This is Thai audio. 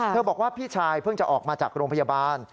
บอกว่าพี่ชายเพิ่งจะออกมาจากโรงพยาบาล